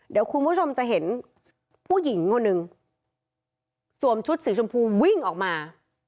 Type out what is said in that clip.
เดี๋ยวคุณผู้ชมจะเห็นผู้หญิงคนหนึ่งสวมชุดสีชมพูวิ่งออกมา